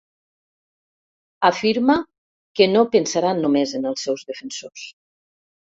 Afirma que no pensaran només en els seus defensors.